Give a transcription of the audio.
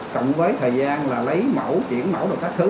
cộng với thời gian là lấy mẫu chuyển mẫu về các thứ